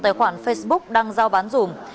tài khoản facebook đăng giao bán dùm